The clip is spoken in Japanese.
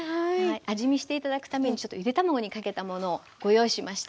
味見して頂くためにちょっとゆで卵にかけたものをご用意しました。